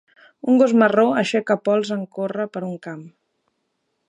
Un gos marró aixeca pols en córrer per un camp.